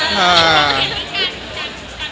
คุณแกนรูป